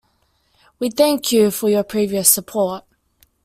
We thank you for your previous support.